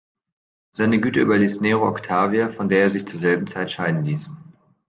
Seine Güter überließ Nero Octavia, von der er sich zur selben Zeit scheiden ließ.